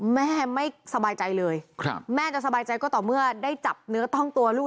แม่ไม่สบายใจเลยแม่จะสบายใจก็ต่อเมื่อได้จับเนื้อต้องตัวลูก